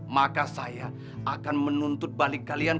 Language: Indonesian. maka saya akan menuntut balik kalian